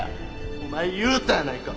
お前言うたやないか。